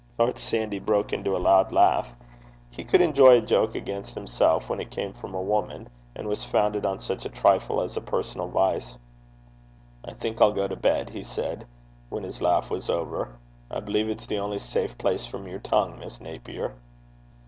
Lord Sandy broke into a loud laugh. He could enjoy a joke against himself when it came from a woman, and was founded on such a trifle as a personal vice. 'I think I'll go to bed,' he said when his laugh was over. 'I believe it's the only safe place from your tongue, Miss Naper.'